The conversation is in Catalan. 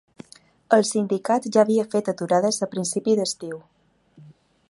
El sindicat ja havia fet aturades a principi d’estiu.